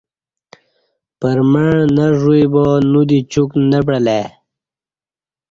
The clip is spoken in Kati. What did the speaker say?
پرمع نہ ژ وی با نودی چوک نہ پعلے